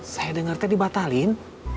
saya dengar teh dibatalin